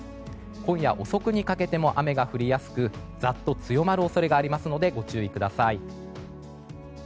今夜遅くにかけても雨が降りやすくざっと強まる恐れがありますのでご注意ください。